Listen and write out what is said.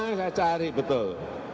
mau saya cari betul